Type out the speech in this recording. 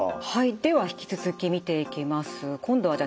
では引き続き見ていきます。